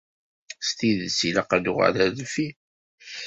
S tidet ilaq ad nuɣal ar deffir?